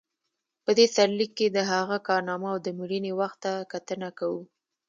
په دې سرلیک کې د هغه کارنامو او د مړینې وخت ته کتنه کوو.